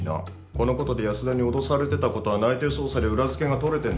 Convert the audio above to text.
このことで安田に脅されてたのは内偵捜査で裏付けが取れてる